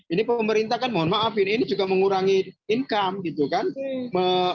ini pemerintah kan mohon maafin ini juga mengurangi income